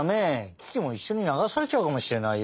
キキもいっしょに流されちゃうかもしれないよ。